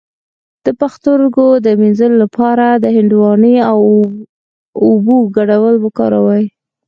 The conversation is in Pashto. د پښتورګو د مینځلو لپاره د هندواڼې او اوبو ګډول وکاروئ